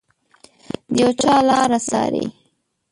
د یو چا لاره څاري